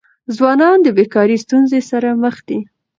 ځوانان د بيکاری ستونزې سره مخ دي.